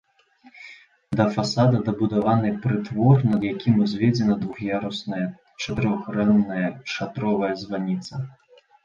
Да фасада дабудаваны прытвор, над якім узведзена двух'ярусная чатырохгранная шатровая званіца.